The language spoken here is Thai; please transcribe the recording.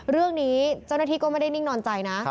เรื่องนี้เจ้าหน้าที่ก็ไม่ได้นิ่งนอนใจนะ